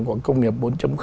của công nghiệp bốn